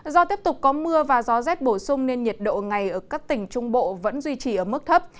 do tiếp tục có mưa và gió rét bổ sung nên nhiệt độ ngày ở các tỉnh trung bộ vẫn duy trì ở mức thấp